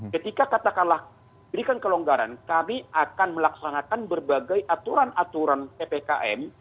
ketika katakanlah berikan kelonggaran kami akan melaksanakan berbagai aturan aturan ppkm